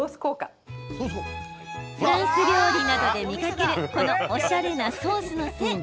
フランス料理などで見かけるこのおしゃれなソースの線。